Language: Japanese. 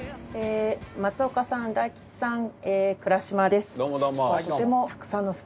松岡さん大吉さん